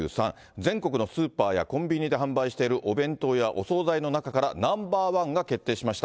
全国のスーパーやコンビニで販売しているお弁当やお総菜の中からナンバー１が決定しました。